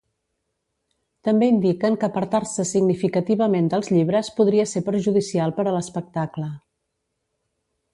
També indiquen que apartar-se significativament dels llibres podria ser perjudicial per a l'espectacle.